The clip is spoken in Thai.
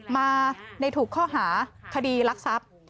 มาในถุกข้อหาคดีรักษัพ